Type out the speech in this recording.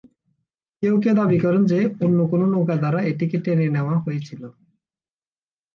কেউ কেউ দাবী করেন যে, অন্য কোন নৌকা দ্বারা এটিকে টেনে নেয়া হয়েছিল।